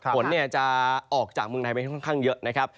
ฝนจะออกจากเมืองไทยไปค่อนข้างเยอะนะครับ